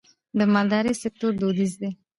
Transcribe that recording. د مالدارۍ سکتور دودیز دی